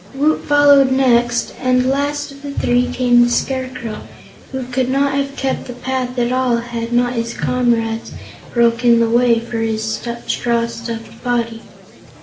Woot followed next, and last of the three came the Scarecrow, who could not have kept the path at all had not his comrades broken the way for his straw stuffed body.